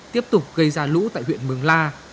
tiếp tục gây ra rũ tại huyện mường la